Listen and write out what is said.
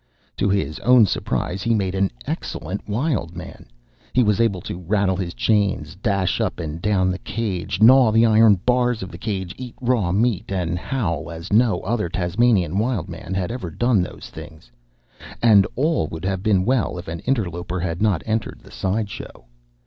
To his own surprise, he made an excellent Wild Man. He was able to rattle his chains, dash up and down the cage, gnaw the iron bars of the cage, eat raw meat, and howl as no other Tasmanian Wild Man had ever done those things, and all would have been well if an interloper had not entered the side show.